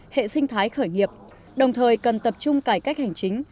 hệ sinh thái khởi nghiệp đồng thời cần tập trung cải cách hành chính